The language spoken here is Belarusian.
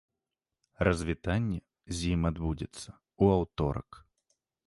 Развітанне з ім адбудзецца ў аўторак.